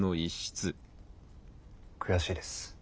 悔しいです